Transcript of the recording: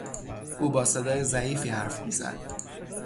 او با صدای ضعیفی حرف میزد.